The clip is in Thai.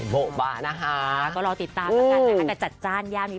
ตอนนี้ก็ยังสนุกสนานกับการทำงานอยู่